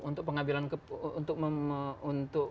untuk pengambilan untuk